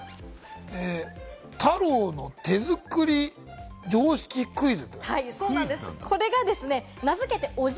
たろうの手作り常識クイズ。